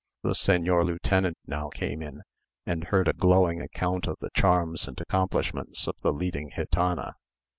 The señor lieutenant now came in, and heard a glowing account of the charms and accomplishments of the leading gitana.